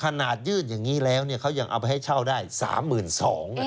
ขนาดยื่นอย่างนี้แล้วเขายังเอาไปให้เช่าได้๓๒๐๐๐บาท